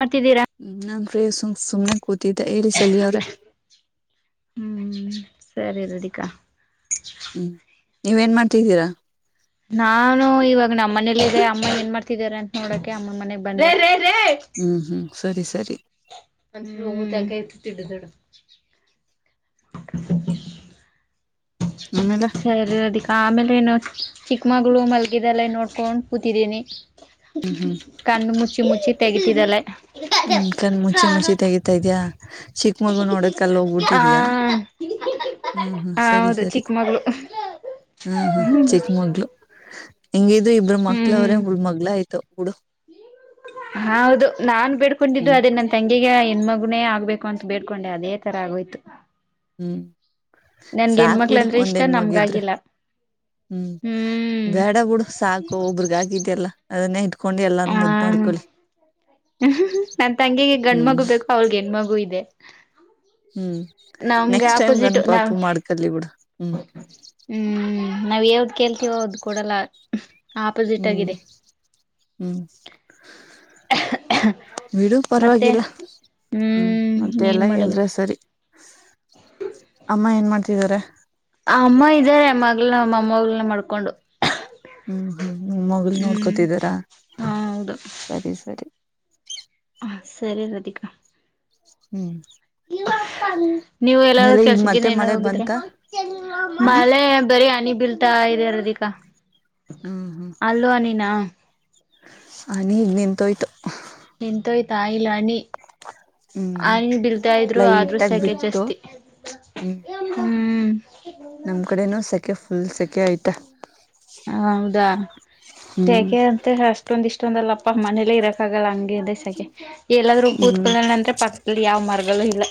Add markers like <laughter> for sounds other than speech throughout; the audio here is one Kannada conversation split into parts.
ಮಾಡ್ತಿದ್ದೀರಾ ಹ್ಮ ನಂಗ ರೀ ಸುಮ್ ಸುಮ್ನೆ ಕೂತಿದ್ದ ಹೇಳಿಸಲ ಅವ್ರ ಹ್ಞೂ ಸರಿ ರೃಢಿಕಾ ಹ್ಮ್ ನೀವ್ ಏನ್ ಮಾಡ್ತಿದ್ದೀರಾ? ನಾನು ಇವಾಗ ನಮ್ಮ ಮನೇಲ್ಲ ಇದೆ ಅಮ್ಮ ಏನ್ ಮಾಡ್ತಿದಾರೆ ಅಂತ ನೋಡಕೆ ಅಮ್ಮನ ಮನೆಗ್ ಬಂದೆ. ಊ ಹ್ಮ್ ಸರಿ ಸ ಅಂದ್ರೆ ರೂಮು ದಗಾಯ್ತು. ತಿಡ್ ದಿಡು. <unintelligible> ಆಮೇಲೆ ಸರಿ ರಾದಿಕ ಆಮೇಲೆನು? ಚಿಕ್ಕಮಗ್ಳು ಮಲ್ಗಿದಾಳೆ ನೋಡ್ಕೊಂಡ್ ಕೂತಿದ್ದೀನಿ. ಹ್ಮ್ ಹ್ಮ್ ಕಣ್ಣ್ ಮುಚ್ಚಿ ಮುಚ್ಚಿ ತೆಗಿತಿದ್ದಾಳೆ. ಹ್ಮ್ ಕಣ್ ಮುಚಿ ಮುಚ್ಚಿ ತೆಗಿತಾ ಇದ್ಯಾ? ಚಿಕ್ಕ ಮಗು ನೋಡಕ್ಕಲ್ ಆ ಹೋಗ್ಬಿಟ್ಟಿದೀಯ ಹ್ಮ್ ಹ್ಮ್ ಸರಿ ಹೌದು ಸರಿ ಚಿಕ್ಕ ಮಗಳು ಹ್ಮ್ ಹ್ಮ್ ಚಿಕ್ಕ ಮಗಳು. ಹೆಂಗಿದ್ರು ಇಬ್ರ್ ಮಕ್ಳ ಹ್ಮ್ ಅವ್ರೆ ಉಳ್ ಮಗಳ ಐ ತು ಬುಡು ಹೌದು ನಾನ್ ಬೇಡ್ಕೊಂಡಿದ್ದು ಹ್ಮ್ ಅದೇ ನನ್ ತಂಗ್ ಗಿಗ ಹೆಣ್ಣ್ ಮಗುನೇ ಆಗ್ಬೇಕು ಅಂತ್ ಬೇಡ್ಕೊಂಡೆ ಅದೇ ತರ ಆಗೋಯ್ತು. ಹ್ಮ್ಮ್ ನನ್ಗೆ ಸಾಕ್ ಹೆಣ್ಮಕ್ಳ ಬಿಡು ಅಂದ್ರೆ ಇಷ್ಟ ವಂದಿನ ಮುಗಿದ್ರ ನಮ್ಗಾಗಿಲ್ಲ ಹ್ಮ್ಮ್ ಹ್ಮ್ ಬೇಡಾಬಿಡು ಸಾಕು ಒಬ್ಬರಿಗೆ ಆಗಿದೆಯಲ್ಲ. ಅದನ್ನೇು <unintelligible> ಹ ನನ್ ತಂಗಿಗೆ ಹ್ಮ್ ಗಂಡ್ಮಗು ಬೇಕು ಅವ್ರಿಗೆ ಹೆಣ್ಮಗು ಇದೆ. ಹ್ಮ್ ನಮ್ಗೆ ನೆಕ್ಸ್ಟ್ ಟೈಮ್ ಆಪೋಸಿಟ್ ನಾವ್ ಗನಪಾಪ ಮಾಡ್ಕಲ್ಲಿ ಬಿಡ ಹ್ಮ್ ಹ್ಮ್ ನಾವ್ ಯಾವ್ದ್ ಕೇಳ್ತೀವೋ ಅವದ್ ಕೊಡಲ್ಲ ಆಪೋಸಿಟ್ ಹ್ಮ್ ಆಗಿದೆ ಹ್ಮ್ ಬಿಡು ಮತ್ತೆ ಪರವಾಗಿಲ್ಲ ಹ್ಮ್ ಮತ್ತೆ ಏನ್ ಎಲ್ಲ ಮಾಡೋದು ಎಲ್ರ ಸರಿ ಅಮ್ಮ ಏನ್ ಮಾಡ್ತ ದೇವರೆ ಆ ಅಮ್ಮ ಇದ್ದಾರೆ ಮಗ್ನ ಅಮ್ಮನ ಮಾಡ್ಕೊಂಡು. ಹ್ಮ್ ಹ್ಮ್ ನಿ ಮಗಲ್ ಹ್ಮ್ ನೋಡ್ಕೊತಿದ್ದಾರಾ ಹ ಸರಿ ಸರಿ ಹ ಸರಿ ರಾಧಿಕಾ ಹ್ಮ್ ನೀವು ಎಲ್ಲ ನೆಲ ಈಗ ಮತ್ತೆ ಕೆಲ್ಸಗನ್ ಏನ ಮಳೆ ಹೋಗಿದ್ರೆ ಬಂತ ಹ ಮಲೆ ಬರಿೀ ಅನಿ ಬ್. ಬೀಳ್ತಾ ಇದೆ ರದಿಕ. ಅಲ್ಲು ಹನಿನಾ ಆ ನೀಗ್ ನಿಂತುೋಯ್ತು ನಿಂತೋಯ್ತಾ ಇಲ್ ಹನಿ. ಹ್ಮ್ ಹ್ಮ್ ಹನಿ ಬಳ್ತಾ ಇದ್ರು ಆದ್ರೂ ಲೈಟ್ ಆಗಿ ಶಕೆ ಬಿತ್ತು ಜಾಸ್ತಿ ಹ್ಮ ನಿಮ್ ಕಡೆನು ಸೆಕೆಫ ಇಲ್ಲಿ ಶೆಕೆ ಆಯತ್ತೆ ಹೌದಾ ಹ್ಮ್ ತೆಕೆ ಅಂತೆ ಅಷ್ಟೊಂದ ಇಷ್. ಇಷ್ಟಂದಲ್ಲ ಪ ಮನೆಲ್ಲೆ ಇರಕ್ಕಾಗಲ್ಲ ಹಂಗೆ ಇದ್. ತೇಗಿ ಎಲ್ಲಾದ್ೂ ಹ್ಮ್ ಕೂತ್ಕೊಣ ಅಂದ್ರೆ ಪಕ್ಕದಲ್ಲಿ ಯಾವ್ ಮರಗಳು ಇಲ್ಲ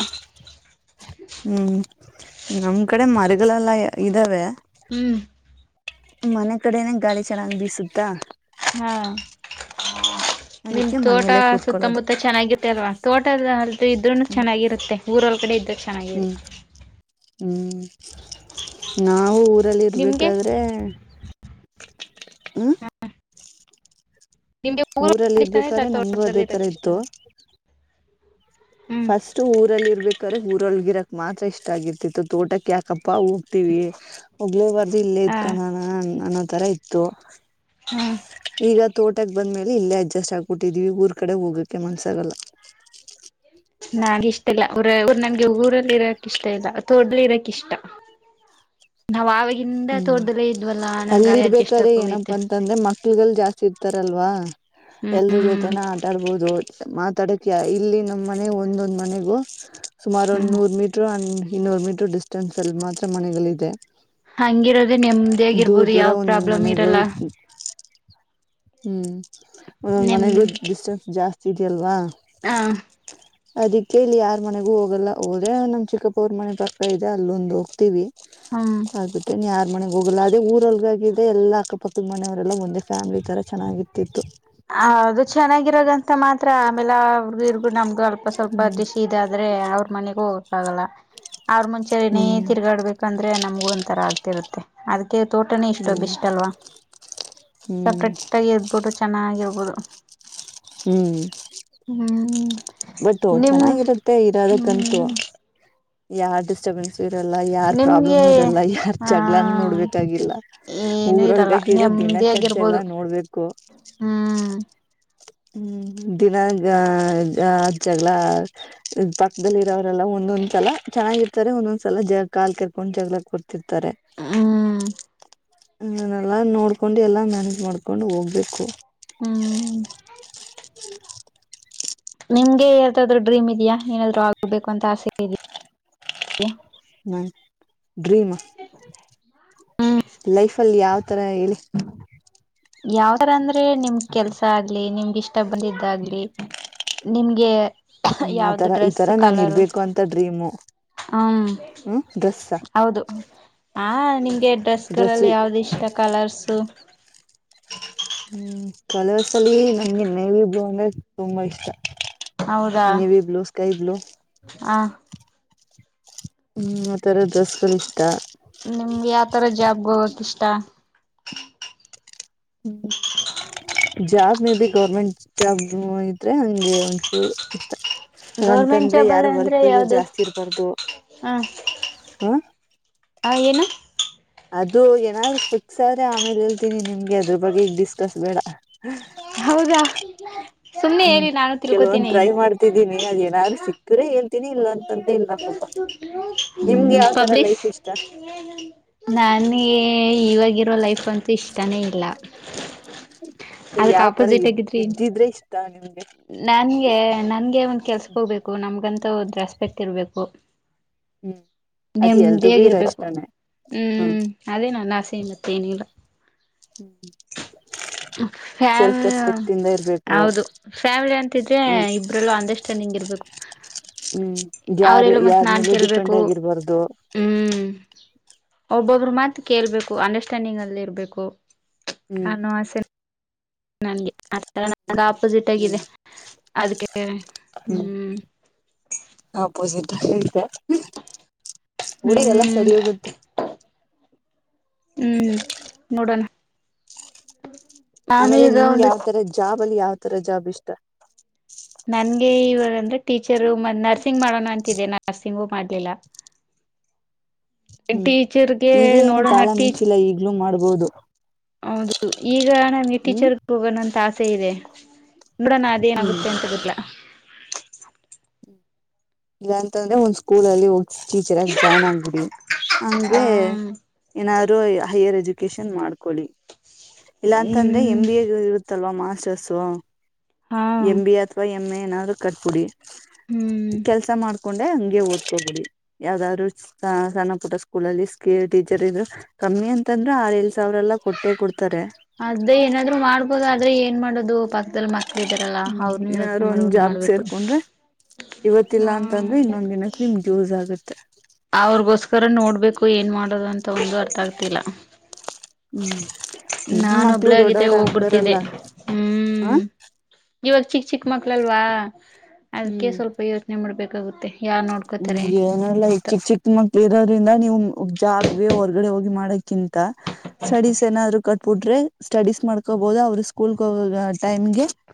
ಹ್ಮ್ ನಮ್ ಕಡೆ ಮರ ಗಳೆಲ್ಲ ಇದ್ದಾವೆ <unintelligible> ಹ್ಮ್ ಮನೆ ಕಡೆನೆ ಗಾಳಿ ಚೆನ್ನಾಗಿ ಬೀಸುತ್ತಾ ಹಾ ನಿಮ್ ಅದಕ್ಕೆ ತೋಟ ಮನೇಲ್ಲೇ ಕೂತ್ಕೊಳ್ಳೋದು ಸುತ್ತಮುತ್ತ ಚೆನ್ನಾಗಿತ್ತೆಲ್ವಾ ತೋಟದ ಅಲ್ ಇದ್ರುನು ಹ್ಮ್ ಚೆನ್ನಾಗಿರುತ್ತೆ ಊರ ಕಡೆ ಇದ್ದೆ <inaudible> ಹ್ಮ್ ಹ್ಮ್ ನಾವವು ಊರಲ್ಲಿ ನಿಮ್ಗೆ ಇರ್ಬೇಕಾದ್ರೆ. ಹ್ಮ ನಿಮ್ಗೆಗರು ಇಷ್ಟಾನ ಇಲ್ಲ ಇರ್ಬೇಕಾದ್ರೆ ನಮಗೂ ಅದೇ ತೋಟದಲ್ಲಿ ತರ ಇದಕ್ಕ ಇತ್ತು ಇಷ್ಟಾನ.. <unintelligible> ಫಸ್ಟ್ ಊರಲ್ಲಿ ಇರ್ಬೇಕು.. <unintelligible> ಕರೆ ಊರೊಳಗಿರಕ್ ಮಾತ್ರ ಇಷ್ಟ ಆಗಿರ್ತಿತ್ತು ತೋಟಕ್ಕೆ ಯಾಕಪ್ಪ... <unintelligible> ಪ್ಪ ಹೋಗ್ತವಿ ಒಬ್ಲೇ ಬರ್್ದ ಇಲ್ಲೇ ಹಾ ಇದ್ ಕಣ ನ.... <unintelligible> ತರ ಇತ್ತು.. <inaudible> ಹ್ಮ್.. <inaudible> ತೋಟಕ್ ಬಂದ್ಮೇಲೆ ಇಲ್ಲೇ ಅಡ್ಜಸ್ಟ್ ಆಗ್ಬೊಟ್ಟಿದ್ವಿ ಊರ್ ಕಡೆ ಹೋಗಕ್ಕೆ ಮನ್ಸಾಗಲ್ಲ... <unintelligible> ನಾ ಇಷ್ಟ ಇಲ್ಲ ಅವರರು ನಮಗೆ ಊರಲ್ಲಿ ಇರಕ್ ಇಷ್ಟ ಇಲ್ಲ ತೋಡ್ಲಿ ಇರಕ್ ಇಷ್ಟ ನಾವ ಆ.. <unintelligible> ಇಿಂದ ಹ್ಮ್ ತೋರ್ದಲ್ಲೇ ಇದ್ವಲ್ಲಾ ನನ್ ಗಾ ಅಡ್ಜಸ್ಟ್ ಆಕ ಹೋಗೈತೆ.. <unintelligible> ಹಕ್ಕಲ್ಗಳು ಜಾಸ್ತಿ ಇರ್ತಾರಲ್ವಾ... <unintelligible> ಎಲ್ರ ಹ್ಮ್ ಜೊತೆನ ಆಟಾಡ್ಬೋದು ಮತ್... <unintelligible> ತಡಕಿಯ ಇಲ್ಲಿ ನಮ್ಮ್ ಮನೆ ಒಂದೊಂದ್ ಮನೆಗೂ.. <unintelligible> ಸುಮಾರು ಒ ಹ್ಮ್ ನೂರು ಮೀಟರು.. <inaudible> ಇನ್ನೂ ಮೀಟರ್ಿಸ.. <inaudible> ಷ್ಟೊಂದಸಲ್ ಮಾತ್ರ ಮನೆಗಳಿದೆ.. <unintelligible> ಹಂಗಿರೋದೆೇ ನೆಮ್ಮದಿ ದೂರ ಆಗಿರ್ಬೋದು ದೂರ ಯಾವ್ ಒಂದೊಂದ್ ಪ್ರಾಬ್ಲಮ್ ಮನೆಗೂ ಇರಲ್ಲ.. <unintelligible> ಹ್ಮ್.. <inaudible> ಮನೆಗೂ ಿಸನ್ ಜಾಸ್ತಿ.. <unintelligible> ಸಿರಿ ಅಲ್ವಾ.. <unintelligible> ಹಾ.. <inaudible> ಅದಿಕ್ಕೆ ಇಲ್ಲಿ ಯಾರ್ ಮನೆಗೂ ಹೋಗಲ್ಲ ಹೋದ ನಮ್ ಚಿಕ್ಕಪ್ಪೂರ್ ಮನೆ ಪಕ್ಕ ಇದೆ ಅಲ್ಲೊಂದು ಹೋಗ್ತಿೀವಿ.. ಹ್ಮ್ <unintelligible> ಹಬಟ್ಟೆ ನ್ಯ... <inaudible> ಮನೆಗ್ ಹೋಗಲ್ಲ ಅದೆ ಊರಲ್ಗ ಇದೆ ಎಲ್ಲ ಅಕ್ಕಪಕ್ಕದ ಮನೆಯವರೆಲ್ಲ ಒಂದೇ ಫ್ಯಾಮಿಲಿ ತರ.. <unintelligible> ಚೆನ್ನಾಗಿತ್ತತ್ತು.. <inaudible> ಅದು ಚೆನ್ನಾಗಿರಗಂತ ಮಾತ್ರ ಆಮೇಲೆ ಅವ್ರಗ ಇರ್ಗು ನಮ್ಗ ಅವ.. <unintelligible> ಸ್ವಲ್ಪ ಸ್ವಲ್ಪ ಹ್ಮ್ ಡಿಶ್ ಇದಾದ್ರೆ ಅವ್ರ ಮನೆ.. <unintelligible> ಹೋಗಕ್ಕಾ.. <unintelligible> ಅವ್ರ ಮುಂಚೆ ಏನೇ ಹ್ಮ್ ತಿರ್ಗಾಡ್ಬೇಕಂದ್ರೆ ನಮ್ಗು ಒಂಥರ ಆಗ್ತಿರುತ್ತೆ ಅದಕ್ಕೆ ತೋಟನೇ ಇಷ್ಟೊ ಹ್ಮ್ ಬಿಷ್ಟ ಅಲ್ವಾ ಹ್ಮ್ ಸಪ್ರೇಟ್ ಆಗಿ ಎದ್ಬಿಟ್ಟು... <unintelligible> ಾಗಿಿರ್ಬೋದು... <unintelligible> ಹ್ಮ್.. <inaudible> ಬಟ್ ನಿಮ್ ಚೆನ್ನಾಗಿರುತ್ತೆ ಇರೋದಕ್ಕಂತೂ.. ಹ್ಮ್ <unintelligible> ಯ ಡಿಸ್ಟರ್ಬನ್ಸ್... <unintelligible> ಇರಲ್ಲ ಯಾರ್ ಪ್ರಾಬ್ಲಮ್ ನಿಮ್ಗೆ ಇರಲ್ಲ ಯಾರ್ ಹಾ ಜಗ್ಗಳಾನ ನೋಡ್ಬೇಕಾಗಿಲ್ಲ ಏನು ಇರಲ್ಲ ಊರೊಳ್ಗಡ ದಿನಕ್ಕೆ ಜಗ್ಗಳ ನೆಮ್ಮದಿಯಾಗಿರ್ಬೋದು ನೋಡ್ಬೇಕು... ಹ್ಮ್ <unintelligible> ಹ್ಮ್ ದಿನಾಗ ಅದ್ ಜಗಳ ಪಕ್ಕದಲ್ಲಿ ಇರೋವರೆಲ್ಲ ಒಂದೊಂದ್ಸಲ ಚೆನ್ನಾಗಿರ್ ರ್ಾರೆ ಹ್ಮ್ ನ್ನ ಎಲ್ಲ ನೋಡ್ಕೊಂಡು ಎಲ್ಲಾ ಮ್ಯಾನೇಜ್ ಮಾಡ್ಕೊಂಡು ಹೋಗ್ಬೇಕು ಹ್ಮ್ ನಿಮ್ಗೆ ಯ್ದಾದ್ರು ಡ್ರೀಮ್ ಇದೆಯಾ ಏನಾದ್ರು ಆಗ್ಬೇಕು ಅಂತ ಆಸೆ ಇದಾ ಹ ಡ್ರೀಮ್ ಲೈಫ್ಲ್ಲಿ ಯಾವ್ದ ಅತ್ರ ಆಲಿ ಯಾವ ತರ ಅಂದ್ರೆ ನಿಮ್ಗ್ ಕೆಲ್ಸ ಆಗ್ಲಿ ನಿಮ್ಗೆ ಇಷ್ಟ ಬಂದಿದ್ದಾಗ್ಲಿ ನಿಮಗೆ ಹ್ಮ್ ಯಾವ್ದು ಆತರ ಈ ತರ ಡ್ರೆಸ್ಸ ನಾನ್ ಕಲರು ಇರ್ಬೇಕು ಅಂತ ಡ್ರೀಮು ಹ್ಮ ಹ್ಮ್ ಡ್ರೆಸ್ ಹೌದು ಹ ನಿಮಗೆ ಡ್ರೆಸ್ ಡ್ರೆಸ್ಗಳಲ್ಲಿ ಯಾವ್ದ ಇಷ್ಟ ಕಲರ್ಸು ಹ ಹ್ಮ್ ಕಲರ್ಸ ಅಲ್ಲಿ ನಂಗೆ ನೇವಿ ಬ್ಲೂ ಅಂದ್ರೆ ತುಂಬಾ ಇಷ್ಟ ಹೌದಾ ನೇವಿ ಬ್ಲೂ ಸ್ಕೈ ಬ್ಲೂ ಹ ಹ್ಮ್ ಮತರದ ದಸಗಳು ಇಷ್ಟ ನಿಮ್ಗೆ ಯಾವತರ ಜಾಬ್ಗತ್ ಇಷ್ಟ ಹ್ಮ್ ಜಾಬ್ ಮೇದೆ ಗೌರ್ಮೆಂಟ್ ಜಾಬ್ ಇದ್ರೆ ಹಂಗೆ ಒಂಚೂರು ಇಷ್ಟ ಗೌರ್ಮೆಂಟ್ ಅಂತಂದ್ರೆ ಜಾಬ್ ಎಲ್ಲ ಯಾರು ವರ್ಕ್ ಅಂದ್ರೆ ಪ್ರೆಷರ್ ಯಾವ್ದದು ಜಾಸ್ತಿ ಇರ್ಬಾರ್ದು ಹ ಹ ಆ ಏನ ಅದು ಏನಾದ್ರೂ ಫುಕ್ಸ ಆದ್ರೆ ಆಮೇಲೆ ಹೇಳ್ತೀನಿ ನಿಮ್ಗೆ ಅದ್ರ ಬಗ್ಗೆ ಈಗ್ ಡಿಸ್ಕಸ್ ಬೇಡ ಹೌದಾ ಸುಮ್ನೆ ಹ್ಮ್ ಹೇಳಿ ನಾನು ಕೆಲವೊಂದ್ ತಿಳ್ಕೊತೀನಿ ಟ್ರೈ ಮಾಡ್ತಿದ್ದೀನಿ ಅದೇಏನಾದರು ಸಿಕ್ತ್ರೆ ಹೇಳ್ತೀನಿ ಇಲ್ಲ ಅಂತಂದ್ರೆ ಇಲ್ಲ ಪಾಪ ನಿಮ್ಗೆ ಹ್ಮ ಯಾವ್ ತರ ಪಬ್ಲಿಶ್ ಲೈಫ್ ಇಷ್ಟ ನಾನ ಇವಾಗ ಇರೋ ಲೈಫ್ ಅಂತ ಇಷ್ಟನೇ ಇಲ್ಲ ಸರಿ ಅದಕ್ ಯಾವ್ ತರ ಆಪೋಸಿಟ್ ಇದ್ದಿ ಆಗಿದ್ರಿ ಇದ್ದಿದ್ರೆ ಇಷ್ಟ ನಿಮ್ಗೆ ನನ್ಗೆ ನನ್ಗೆ ಒಂದ ಕೆಲ್ಸಕ್ ಹೋಗ್ಬೇಕು ನಮ್ಗಂತ ಒಂದು ರೆಸ್ಪೆಕ್ಟ್ ತಿರಬೇಕು ಹ್ಮ್ ಅದ್ ಎಲ್ರಿಗೂ ಇರೋ ನೆಮದಿಯಾಗಿಿರ್ಬೇಕು ಇಷ್ಟಾನೇ ಹ್ಮ್ ಅದೇ ನಾನು ಆಸೆ ಮತ್ತೆ ಏನಿಲ್ಲ ಹ್ಮ್ ಫ್ಯಾಮ ಇಂದ ಇರ್ಬೇಕು ಹೌದು ಫ್ಯಾಮಿಲಿ ಅಂತಿದ್ರೆ ಹ್ಮ್ ಇಬ್ರಲ್ಲೂ ಅಂಡರ್ಸ್ಟ್ಯಾಂಡಿಂಗ್ ಇರ್ಬೇಕು ಹ್ಮ್ ಯಾರು ಅವರೆಲ್ಲ ಮತ್ ಯಾರ್ ನಾನ್ ಮೇಲೂ ಡಿಪೆಂಡ್ ಕೇಳ್ಬೇಕು ಆಗಿರ್ಬಾರ್ದು ಹ್ಮ್ ಒಬ್ಬೊಬ್ಬ್ರ ಮಾತು ಕೇಳ್ಬೇಕು ಅಂಡರ್ಸ್ಟ್ಯಾಂಡಿಂಗ್ ಅಲ್ಲಿ ಇರ್ಬೇಕು ಹ್ಮ್ ಕನುೋ ಅಸ ನನ್ಗೆ ಆರ ನ ಹ್ಮ್ ಆಪೋಸಿಟ್ ಆಗಿದೆ ಹ್ಮ್ ಅದ್ಕ್ಕೆ ಹ್ಮ್. <inaudible> <inaudible> ಹುಡಿಗೆಲ್ಲಾ ಹ್ಮ್ ಸರಿ ಹೋಗುತ್ತೆ. ಹ್ಮ್ ನೋಡಣ. ಆಮೇಲೆ ನಿಂಗ್ ಯಾವ್ತರ ಜಾಬ್. ಬಲ್ಲಿ ಯಾವ್ ತರ ಜಾಬ್ ಇಷ್ಟ. ನನ್ಗೆ ಇವ ಅಂದ್ರೆ ಟೀಚರು ಮತ್ ನರ್ಸಿಂಗ್ ಮಾಡೋಣ ಅಂತಿದೆ ನಾ ನರ್ಸಿಂಗು ಮಾಡ್ಲಿಲ್ಲ. ಹ್ಮ್ ಟೀಚರ್ಗೆ ಈಗ್ಲೇ ಏನು ನೋಡೋಣ ಕಾಲ ಟೀಚ್ ಮಿಂಚಿಲ್ಲ ಈಗ್ಲೂ ಮಾಡಬ. ಹೌದು. ಹೌದು ಈಗ ನಮ್ಗೆ ಹ್ಮ್ ಟೀಚರ್ಗೆ ಹೋಗೋಣಂತ ಆಸೆ. ತೈದೆ ನೋಡೋಣ ಹ್ಮ್ ಅದೇನಾಗುತ್ತೆ ಅಂತ ಗೊತ್ತಿಲ್ಲ. ಇಲ್ಲಾ ಅಂತಂದ್ರೆ ಒಂದ್ ಸ್ಕೂಲ್ ಅಲ್ಲಿ ಹೋಗ್. ಟೀಚರ್ ಆಗ್ ಜಾಯ್ನ್ ಆಗ್ಬಿಡಿ, ಹ ಹಂಗೆ ಏನಾರು ಹೈಯರ್ ಎಜು ವೊಕೇಶನ್ ಮಾಡ್ಕೊಳ್ಳಿ. ಇಲ್ಲ ಅಂತ ಅಂದ್ರೆ ಎಂ ಹ್ಮ್ ಬಿ ಎ ಗೆ ಇರುತ್ ತಲ್ವಾ ಮಾಸ್ಟರ್ಸು. ಹಾ ಎಂ ಬಿ ಎ ಅಥವಾ ಎ. ಎಮ್ಮೆ ಏನಾರು ಕಟ್ ಪುಡಿ. ಹ್ಮ್ <inaudible> ಕೆಲ್ಸ ಮಾಡ್ ಕೊಂಡೆ ಹಂಗೆ ಓದ್ಕೋಬಿಡಿ ಯಾವ್ದಾದ್ರು ಸ ಸಣ್ಣ ಪುಟ್ಟ ಸ್ಕೂಲ್ ಅಲ್ಲಿ ಸ್ಕೇರ್ ಟೀಚರ್ ಇದ್ರು ಕಮ್ಮಿ ಅಂತಂದ್ರೆ ಆರ್ ಏ. ಅವ್ರೆಲ್ಲ ಕೊಟ್ಟೆ ಕೊಡ್ ಅದ್ದೆ ಏನಾದ್ರು ಮಾಡ್ಬೋದು ಆದ್ರೆ ಏನ್ ಮಾಡೋದು ಪ. <inaudible> ಹ್ಮ್ ಏನಾರು ಒಂದ್ ಜಾಬುಗ್ ಸೇರ್ಕೊಂಡ್ರೆ ಇವತ್ತಿಲ್ಲಾ ಅಂತಂದ್ರೆ ಇನ್ನೊಂದ್ ದಿನಕ್ಕೆ ನಿಮ್ಗೆ ಯೂಸ್ ಆಗುತ್ತೆ. <inaudible> ಅವ್ರುಗೋಸ್ಕರ ನೋಡ್ಬೇಕು ಏನ್ ಮಾಡೋದು ಅಂತ ಒಂದು ಅರ್ಥ ಆಗ್ತಿಲ್ಲ. ಹ್ಮ್, ನಿನ್ ನಾನ ಮಕ್ಳು ಒಬ್ಳೇ ಆಗಿದ್ರೆ ದೊಡ್ಡವ್ರ ಆಗ್ತಾರಲ್ಲ, ಹೋಗ್ಬಿಡ್ತಿದ್ದೆ ಹಾ. ಹ್ಮ್ ಇವಾಗ ಚಿಕ್ ಚಿಕ್ ಮಕ್ಳಲ್ವಾ. ಅದ್ಕೆ ಸ್ವಲ್ಪ ಯೋಚನೆ ಮಾಡ್ಬೇಕು. ಕೌತೆ. ಹ್ ಏನಲ್ಲ ಈ ಚಿಕ್ಕ ಚಿಕ್ಕ ಮಕ್ಳ ಇರೋದ್ರಿಂದ ನೀವು್ ಜಾಬ್ಗೆ ಹೊರ್ಗಡೆ ಹೋಗಿ ಮಾಡಕ್.. <unintelligible> <inaudible> ಸಡೀಸ್ ಏನಾದ್ರು ಕಟ್ಬಿಟ್ರೆ.. <unintelligible> ಸ್ಟಡೀಸ್ ಮಾಡ್ಕೊಬಹದು ಅವ್ರ ಸ್ಕೂಲ್ ಹೋಗ ಟೈಮ್ಗೆ.... <unintelligible>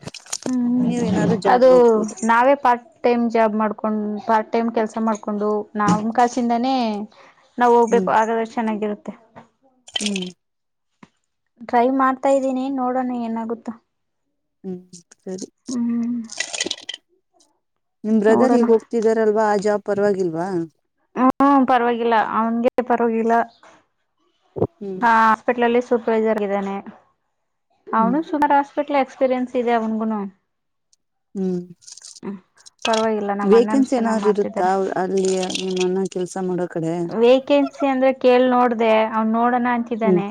ನೀವ್ ಏನಾದ್ರು ಹ್ಮ್ ಅದು ಜಾಬ್ಗೆ ಹೋಗ್ಬೋದು ನಾವೇ ಪಾರ್ಟ್ ಟೈಮ್ ಜಾಬ್ ಮಾಡ್ಕೊಂಡ್ ಪಾರ್ಟ್... <unintelligible> ಟೈಮ್ ಕೆಲಸ ಮಾಡ್ಕೊಂಡು ನಾಮಕಾಾಸಿಂದಾನೇ.. <unintelligible> ನಾವು ಹೋಗ್ಬೇಕು ಹ್ಮ್ ಹಾಗಾದ್ರೆ ಚೆನ್ನಾಗಿರುತ್ತೆ.. <unintelligible> ಹ್ಮ್.. <inaudible> ಡ್ರೈವ್ ಮಾಡ್ತಾ್ದೀನಿ ನೋಡೋಣ ಏನಾಗುತ್ತ. <unintelligible> ಹ್ಮ್್ಮ.. <inaudible> ಸರಿ.. ಹ್ಮ್ <inaudible> ನಿಮ್ ಬ್ರದರ್ ನೋಡೋಣ ಈಗ್ ಹೋಗ್ತಿದಾರಲ್ವಾ ಆ ಜಾಬ್ ಪರವಾಗಿಲ್.. <unintelligible> ಬಾ.. <inaudible> ಹ್ಮ್ ಪರವಾಗಿಿಲ್ಲ ಅವನ್ಗೆ ಪರವಾಗಿಿಲ್ಲ.. <inaudible> ಹ್ಮ್ ಹಾ ಹಾಸ್ಪಿಟಲಲ್ಲಿ.. <inaudible> ಸೂಪ್ರೈಜರಗಿದ್ದಾನೆ... <unintelligible> ಹನು ಶುಗಾರಷ್ಟ.. <inaudible> ಹಾಸ್ಪಿಟ್ಲ್ ಎಕ್ಸ್ಪೀರಿಯನ್ಸ್ ಇದೆ ಅವನ್ಗೂನು... <unintelligible> ಹ್ಮ್ ಪರವಾಗಿಲ್ಲ ನಮ್ಮ ಅಣ್ಣನ್ ವೇಕೆನ್ಸಿ ಚೆನ್ನಾಗ್ ಏನಾದ್ರರು ಇರುತ್ತಾ ಮಾಡ್ತಿದ್ದಾರೆ ಅವ್ರ ಅಲ್ಲಿಯ ನಿಮ್ಮನ್ನ ಕೆಲ್ಸ ಮಾಡೋಕ್.. <unintelligible> ವೇಕೆನ್ಸಿ ಅಂದ್ರೆ ಕೇಳ ನೋಡ.. <unintelligible> ್ ನೋಡ.. <inaudible> ನ ಹ್ಮ್ ಅಂತಿದ್ದಾನೆ..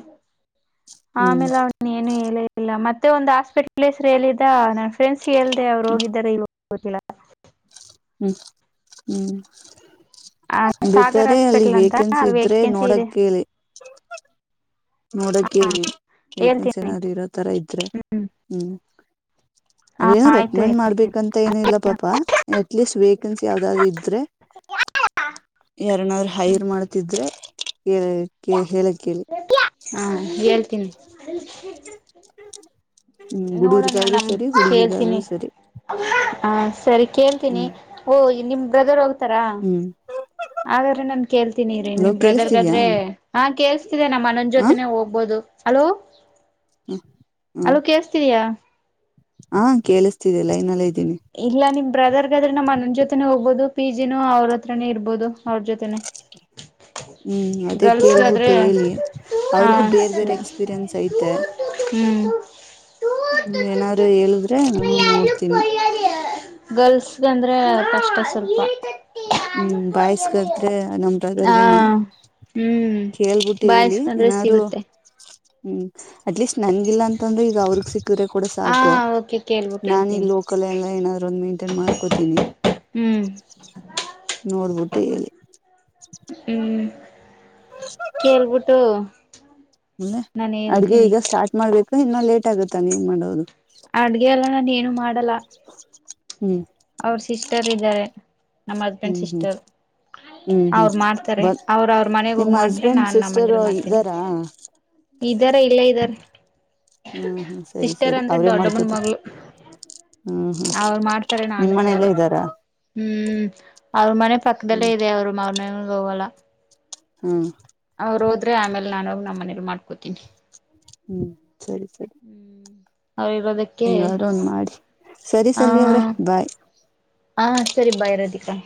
<inaudible> ಹ್ಮ್ ಆಮೇಲೆ ಅವನ ಏನು ಹೇಳೇ ಇಿಲ್ಲ ಮತ್ತೆ.. <unintelligible> ಮತ್ತೆ ಒಂದು ಆಸ್ಪಿಟ್ಲ್ ಹೆಸ ಎ... <inaudible> ಫ್ರೆಂಡಸ್ ಹೇಳಲ್ದೆೆ್ರು ಹೋಗಿದ್ದಾರೆ ಇ.. <unintelligible> ಗತ್ತಲ.. <inaudible> ಹ್ಮ್ ಹ್ಮ್... ಆ <inaudible> ಸಾಗರ್ ಬೇಕಾರೆ ಅಲ್ಲಿ ಹಾಸ್ಪಿಟಲ್ ಅಂತ ವೇಕೆನ್ಸಿ ಅಲ್ಲಿ ಇದ್ರೆ ವೇಕೆನ್ಸಿ ಇದೆ ನೋಡೇಳಿ... <unintelligible> ನೋಡಕ ಹಾ ವೇಕೆನ್ಸಿ ಹೇಳ್ತೀನಿ ಏನಾದ್ರು ಇರೋ ತರ ಇದ್ರೆ ಹ್ಮ್.. <unintelligible> ಹಾ ಅದೇನು ಆಯ್ತು ರೆಕಮೆಂಡ್ ಮಾಡ್ಬೇಕಂತ ಏನ ಇಿಲ್ಲ ಪಾಪಾ.. <unintelligible> ಅಟ್ೀಸ್ಟ್ ವೇಕನ್ಸಿ ಯಾವ್ದಾದ್ರ್ದ.. <unintelligible> ರೆ.. <inaudible> ಎರಡಾದ್ರ ಹೈರ್ ಮಾಡ್ತಿದ್ರ ಹೇಳಕ್ ಕೇಳಿ ಹೇಳಿ ಹಾ ಹೇಳ್ತೀನಿ ಹ ಹ್ಮ್ ನೋಡೋಣೋ ಹುಡುಗರ್ಗಾದ್ರು ನಮ ಸರಿ ಕೇಳ್ತೀನಿ ಹುಡುಗಿರ್ಗಾದ್ರು ಸರಿ ಹ ಸರಿ ಕೇಳ್ತೀನಿ ಹ್ಮ್ ಓ ನಿಮ್ ಬ್ರದರ್ ಹೋಗ್ತಾರ ಹ್ಮ್ ಹಾಗಾದ್ರೆ ನನ್ ಕೇಳ್ತೀನಿ ರೀ ಹಲೋ ನಿಮ್ ಕೇಳಿಸ್ತಿದ್ಯಾ ಬ್ರದರ್ಗಾದ್ರೆ ಹಾ ಕೇಸ್ತಿದೆ ನಮ್ಮ್ ಮನಜ್ ಹ ಜೊತೆನೆ ಹೋಗ್ಬೋದು ಹಲೋ ಹ ಅಲ್ಲ ಕೇೇಳಸ್ತೀರಯಾ ಹಾ ಕೇಳಿಸ್ತಿದೆಲ್ಲ ಇನ್ಲ್ಲ ಇದ ಇಲ್ಲ ನಿಮ್ದ ಬ್ರದರ್ಗಾದ್ರೆ ನಮ್ಮ ಅನನ್ನ ಜೊತೆನೆ ಹೋಗ್ಬೋದು ಪಿ ಜಿನೂ ಅವ್ರ ಹತ್ರನೆೇ ಇರ್ಬೋದು ಅವ್ರ ಜೊತೆನೆೇ ಹ್ಮ್ ಅದೇ ಕೇಳ್ಬಿಟ್ಟು ಹೇಳಿ ಹಾ ಅವ್ರಿಗು ಬೇರ್ ಬೇರೆ ಸರಿ ಎಕ್ಸ್ಪೀರಿಯನ್ಸ್ ಐತೆ ಹ್ಮ್ ನೀ ಏನಾದ್ರು ಹೇಳಿದ್ರೆ ನಾ ನೋಡ್ತೀನಿ ಗರ್ಲ್ಸ್ಗೆ ಅಂದ್ರೆ ಕಷ್ಟ ಸ್ವಲ್ಪ ಹ್ಮ್ ಬಾಯ್ಸ್ಗಾದ್ರೆ ನಮ್ ಹ ಬ್ರದರ್ಗೇನೆ ಹ್ಮ್ ಕೇಳ್ಬಿಟ್ಟು ಹೇಳಿ ಬಾಯಸ್ಕೊಂಡ್ರೆ ಏನಾರು ಸಿಗುತ್ತೆ ಹ್ಮ್ ಅಟ್ಲೀಸ್ಟ್ ನನ್ಗಿಲ್ಲಾ ಅಂತಂದ್ರೆ ಅವ್ರ ಸಿ ಗಿರೆ ಕೂಡ ಹಾ ಸಾಕು ಓಕೆ ಕೇಳ್ಬಿಟ್ಟು ನಾನ ಈ ಹೇಳ್ತೀನಿ ಲೋಕಲ್ ಎಲ್ಲ ಏನಾದ್ರು ಒಂದು ಮೇಂಟೈನ್ ಮಾಡ್ಕೋತೀನಿ ಹ್ಮ್ ನೋಡ್ಬಿಟ್ಟು ಹೇಳಿ ಹ್ಮ್ ಕೇಳ್ಬಿಟ್ಟು ೆ ನಾನು ಅಡ್ಗೆ ಹೇಳ್ತೀನಿ ಈಗ ಸ್ಟಾರ್ಟ್ ಮಾಡ್ಬೇಕು ಇನ್ನ ಲೇಟ್ ಆಗುತ್ತಾ ನೀವು್ ಮಾಡೋದು ಅಡ್ಗೆಯಲ್ಲ ನಾನ ಏನು ಮಾಡಲ್ಲ ಹ್ಮ್ ಅವ್ರ ಸಿಸ್ಟರ್ ಇದ್ದಾರೆ ನಮ್ಮ್ ಹಸ್ಬೆಂಡ್ ಹ್ಮ್ ಹ್ಮ್ ಸಿಸ್ಟರ್ ಹ್ಮ್ ಹ್ಮ್ ಅವ್ರು ಮಾಡ್ತಾರೆ ಬ ಅವ್ರ ಅವ್ರ ಮನೆಗ ನಿಮ್ಮ ಹೋಗಿ ಮಾಡ್ರೆ ಹಸ್ಬೆಂಡ್ ನಾನ್ ನ ಸಿಸ್ಟರ್ ಮನೇಲ್ ಮಾಡ್ತೀನಿ ಇದ್ದಾರಾ ಇದ್ದಾರೆ ಇಲ್ಲ ಇದ್ದಾರೆ ಹ್ಮ್ ಹ್ಮ್ ಸರಿ ಸಿಸ್ಟರ್ ಸರಿ ಅಂದ್ರೆ ಅವ್ರೇ ದೊಡ್ಡಮ್ಮನ ಮಾಡ್ಕೋತಾರ ಮಗಳು ಹ್ಮ್ ಹ್ಮ್ ಅವ್ರು ಮಾಡ್ತಾರೆ ನಾನ್ ನಿಮ್ ಮಾಡಲ್ಲ ಮನೆಯಲ್ಲೇ ಇದ್ದಾರಾ ಹ್ಮ್ ಅವ್ರ ಮನೆ ಪಕ್ಕದಲ್ಲೇ ಹ್ಮ್ ಇದೆ ಅವ್ರು ಮ್ರ ಹಲ ಹ್ಮ ಅವ್ರು ಹೋದ್ರೆ ಆಮೇಲೆ, ನಾನೋಗಿ ನಮ್ಮ ಮನರು ಮಾಡ್ಕೋತೀನಿ. ಹ್ಮ್ ಸರಿ ಸರಿ <inaudible> ಅವ್ರ ಇರೋದಕ್ಕೆ ಹೆಂಗಾದ್ರೂ ಹ್.... ಒಂದ್ ಮಾಡಿ ಸರಿ ! ಸಲ್ವಿ ಅವ್ರೆ ಬಾಯ್ ಹ್ಹಾ! ಸರಿ ಬೈ ರಾಧಿಕಾ.